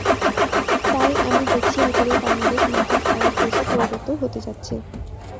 তাই আমি দেখছি, অচিরেই বাংলাদেশ মধ্যম আয়ের দেশে পরিণত হতে যাচ্ছে।